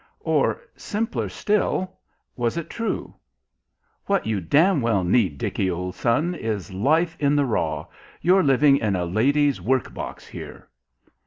Or, simpler still, was it true? "What you damn well need, Dickie, old son, is life in the raw. You're living in a lady's work box here."